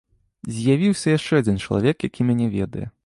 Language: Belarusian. З'явіўся яшчэ адзін чалавек, які мяне ведае.